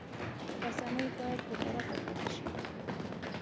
رسنۍ باید بېطرفه پاتې شي.